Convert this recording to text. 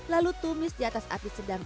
lalu tumis di atas api sedang